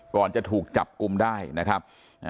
ก่อนจะถูกจับกลุ่มได้นะครับ